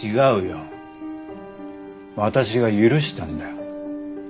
私が許したんだよ。